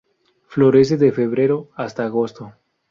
Florece de febrero hasta agosto.